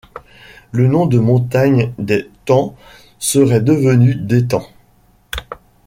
Le nom de montagne des Tans serait devenu d’Étang.